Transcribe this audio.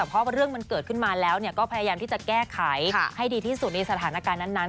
เพราะเรื่องมันเกิดขึ้นมาแล้วก็พยายามที่จะแก้ไขให้ดีที่สุดในสถานการณ์นั้น